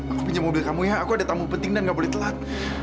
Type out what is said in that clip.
aku pinjam mobil kamu ya aku ada tamu penting dan gak boleh telat